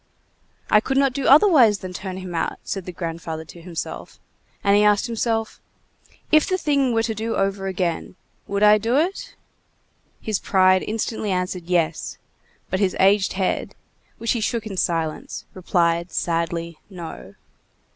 "I could not do otherwise than turn him out," said the grandfather to himself, and he asked himself: "If the thing were to do over again, would I do it?" His pride instantly answered "yes," but his aged head, which he shook in silence, replied sadly "no."